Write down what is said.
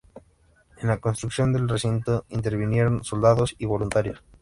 En la construcción del recinto intervinieron soldados y voluntarios.